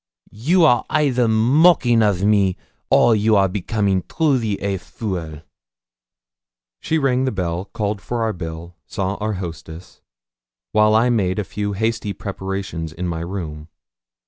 'You are either mocking of me, or you are becoming truly a fool!' She rang the bell, called for our bill, saw our hostess; while I made a few hasty prepartions in my room.